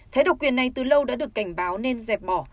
thế độc quyền này từ lâu đã được cảnh báo nên dẹp bỏ